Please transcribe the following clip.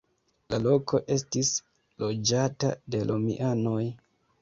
La loko estis loĝata de romianoj.